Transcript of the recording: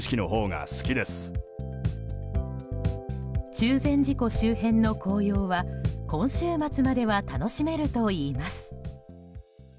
中禅寺湖周辺の紅葉は今週末までは楽しめるといいます。